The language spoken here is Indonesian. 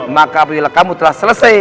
maka bila kamu telah selesai